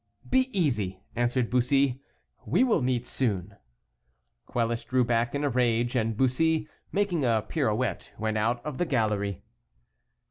"Be easy," answered Bussy, "we will meet soon." Quelus drew back in a rage, and Bussy, making a pirouette, went out of the gallery.